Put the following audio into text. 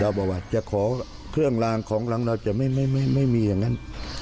เดิมบอกว่าจะขอเครื่องลางเราก็จะไม่เหมือนกัน